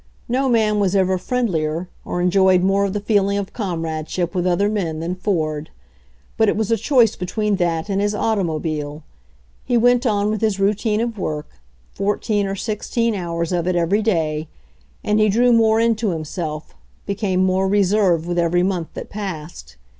No man was ever friendlier, or enjoyed more the feeling of comradeship with other men than Ford. But it was a choice be tween that and his automobile. He went on with his routine of work, fourteen or sixteen hours of it every day, and he drew more into himself, be came more reserved with every month that passed.